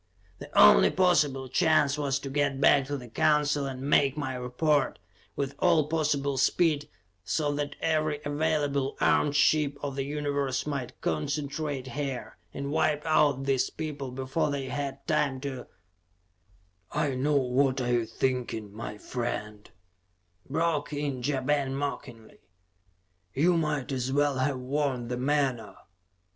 The only possible chance was to get back to the Council and make my report, with all possible speed, so that every available armed ship of the universe might concentrate here, and wipe out these people before they had time to "I know what you are thinking, my friend," broke in Ja Ben mockingly. "You might as well have worn the menore!